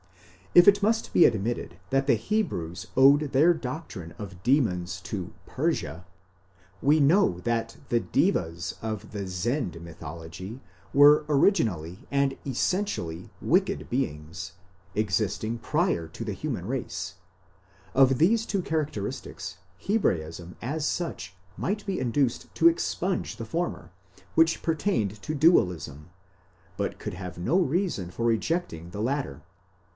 If it must be admitted that the Hebrews owed their doctrine of demons to Persia, we know that the Deves of the Zend mythology were originally and essentially wicked beings, existing prior to the human race ; of these two characteristics, Hebraism as such might be induced to expunge the former, which pertained to Dualism, but could have no reason for rejecting the latter.